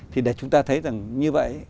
thì để chúng ta thấy rằng như vậy